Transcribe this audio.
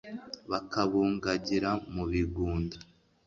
bakabungagira mu bigunda